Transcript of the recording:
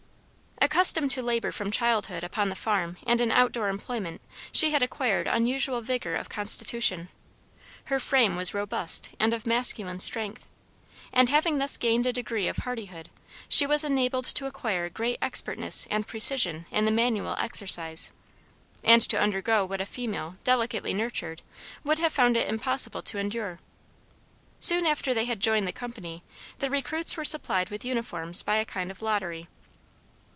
"Accustomed to labor from childhood upon the farm and in outdoor employment, she had acquired unusual vigor of constitution; her frame was robust and of masculine strength; and, having thus gained a degree of hardihood, she was enabled to acquire great expertness and precision in the manual exercise, and to undergo what a female, delicately nurtured, would have found it impossible to endure. Soon after they had joined the company, the recruits were supplied with uniforms by a kind of lottery.